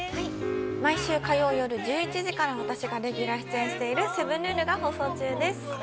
◆毎週火曜夜１１時、私がレギュラー出演している「セブンルール」が放送中です！